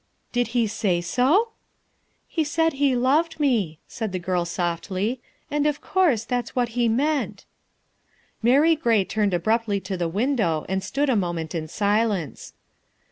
" Did he say so?" '' He said he loved me, '' said the girl softly, '' and, of course, that's what he meant." Mary Gray turned abruptly to the window and stood a moment in silence.